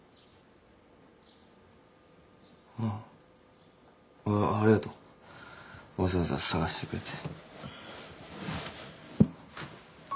あああっありがとうわざわざ捜してくれて。